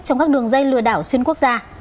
trong các đường dây lừa đảo xuyên quốc gia